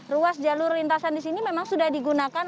ruas jalur lintasan disini memang sudah digunakan